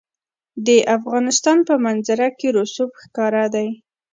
د افغانستان په منظره کې رسوب ښکاره ده.